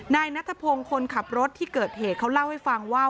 นายนัทพงศ์คนขับรถที่เกิดเหตุเขาเล่าให้ฟังว่า